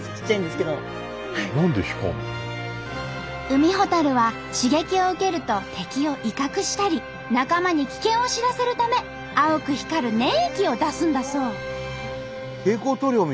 ウミホタルは刺激を受けると敵を威嚇したり仲間に危険を知らせるため青く光る粘液を出すんだそう。